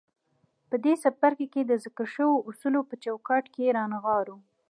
په دې څپرکي کې د ذکر شويو اصولو په چوکاټ کې يې رانغاړو.